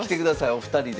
お二人で。